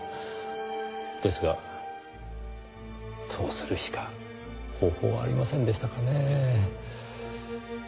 ですがそうするしか方法はありませんでしたかねぇ。